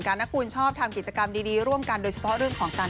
ก็อยากจะได้ข้องมูล